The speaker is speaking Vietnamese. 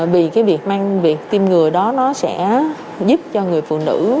vì cái việc mang việc tiêm ngừa đó nó sẽ giúp cho người phụ nữ